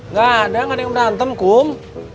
nggak ada nggak ada yang berantem kum